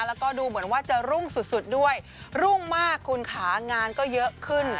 แล้วก็ดูเหมือนว่าจะรุ่งสุดด้วยรุ่งมากคุณค่ะงานก็เยอะขึ้น